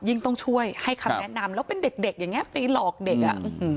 ต้องช่วยให้คำแนะนำแล้วเป็นเด็กอย่างนี้ไปหลอกเด็กอ่ะ